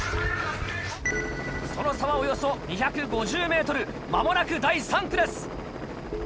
その差はおよそ２５０ｍ間もなく第３区です。